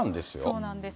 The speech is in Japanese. そうなんです。